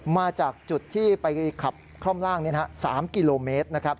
มาจากจุดที่ไปขับคล่อมร่างนี้๓กิโลเมตร